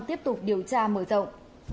tiếp tục điều tra mở rộng